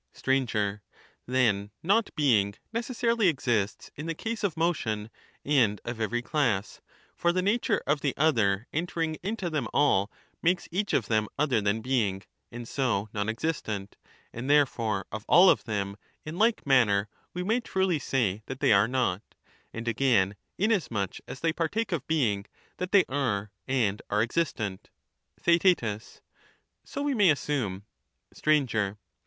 being, and Sir. Then not being necessarily exists in the case of and^^^^t* motion and of every class ; for the nature of the other enter ^^^^^^ ing into them all, makes each of them other than being, and is found to so non existent ; and therefore of all of them, in like manner, ^^^ce we may truly say that they are not ; and again, inasmuch as of not they partake of being, that they are and are existent. the^oise of Theaet. So we may assume. motion, Sir.